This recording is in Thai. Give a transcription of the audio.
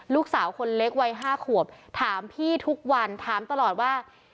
ลูกสาวคนเล็กวัย๕ขวบถามพี่ทุกวันถามตลอดว่า